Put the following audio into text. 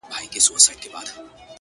گراني په تاڅه وسول ولي ولاړې .